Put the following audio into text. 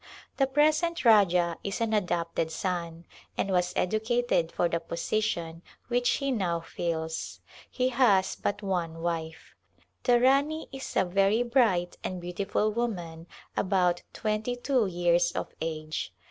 The present Rajah is an adopted son and was edu cated for the position which he now fills. He has but one wife. The Rani is a very bright and beautiful woman about twenty two years of age.